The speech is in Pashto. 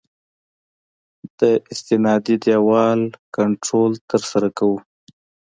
د استنادي دیوال کنټرول ترسره کوو